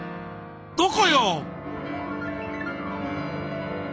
どこよ！